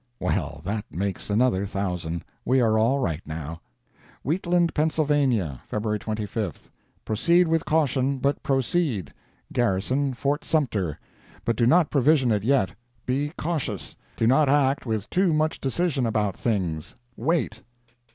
Well! that makes another thousand. We are all right now. Wheatland, Pa., Feb. 25. Proceed with caution—but proceed. Garrison Fort Sumter. But do not provision it yet. Be cautious. Do not act with too much decision about things. Wait.